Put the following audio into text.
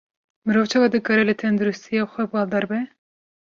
Mirov çawa dikare li tenduristiya xwe baldar be?